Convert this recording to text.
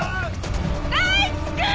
大地くん！